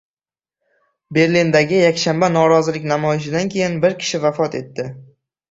Berlindagi yakshanba norozilik namoyishidan keyin bir kishi vafot etdi